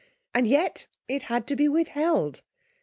And yet, it had to be withheld!